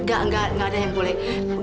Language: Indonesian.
enggak enggak ada yang boleh